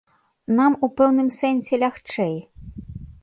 Нам у пэўным сэнсе лягчэй.